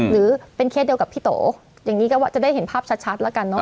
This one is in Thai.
หรือเป็นเคสเดียวกับพี่โตอย่างนี้ก็ว่าจะได้เห็นภาพชัดแล้วกันเนอ